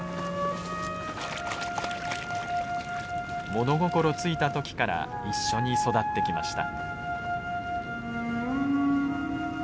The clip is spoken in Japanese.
物心付いた時から一緒に育ってきました。